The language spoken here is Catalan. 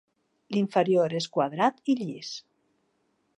L'inferior és quadrat i llis.